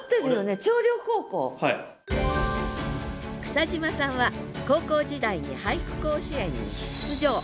草島さんは高校時代に俳句甲子園に出場。